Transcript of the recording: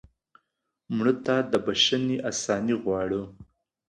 مړه ته د بښنې آساني غواړو